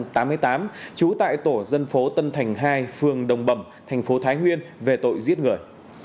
trú tại tổ dân phố tân thành hai phương đồng bầm thành phố thái nguyên về tội giết người